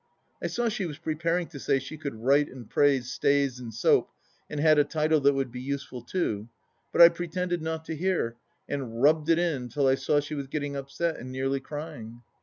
.,. I saw she was preparing to say she could write and praise stays and soap and had a title that would be useful too, but I pretended not to hear, and rubbed it in till I saw she was getting upset and nearly crjring.